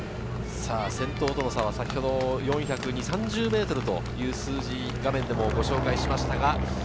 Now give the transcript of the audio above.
先頭との差は先ほど４２０４３０ｍという数字を画面でもご紹介しました。